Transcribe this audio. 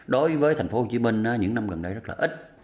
đối với tp hcm những năm gần đây rất là ít